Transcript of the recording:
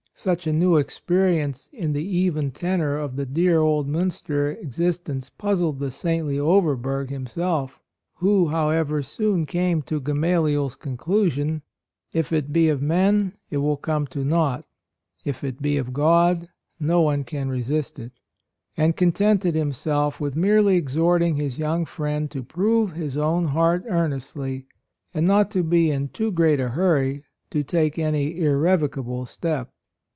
Such a new experience in the even tenor of the dear 64 A ROYAL SON old Miinster existence puzzled the saintly Overberg himself, — who, however, soon came to Gamaliel's conclusion — "If it be of men it will come to naught; if it be of God no one can resist it," — and contented himself with merely exhorting his young friend to prove his own heart earnestly, and not to be in too great a hurry to take any ir revocable step.